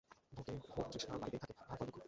ভোগে ভোগতৃষ্ণা বাড়িতেই থাকে, তাহার ফল দুঃখ।